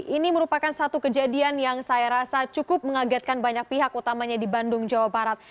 ini merupakan satu kejadian yang saya rasa cukup mengagetkan banyak pihak utamanya di bandung jawa barat